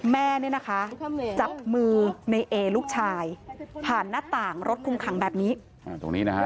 แม่เนี่ยนะคะจับมือในเอลูกชายผ่านหน้าต่างรถคุมขังแบบนี้ตรงนี้นะฮะ